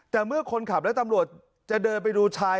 แต่เมื่อคนขับและตำรวจจะเดินไปดูชาย